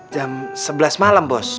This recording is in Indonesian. jam sebelas malam bos